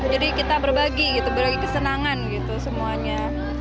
jadi kita berbagi kesenangan semuanya